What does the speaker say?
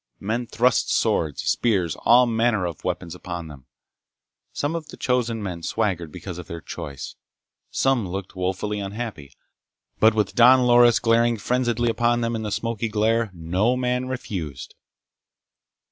Men thrust swords, spears—all manner of weapons upon them. Some of the chosen men swaggered because of their choice. Some looked woefully unhappy. But with Don Loris glaring frenziedly upon them in the smoky glare, no man refused.